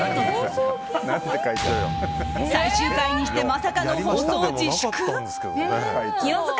最終回にしてまさかの放送自粛？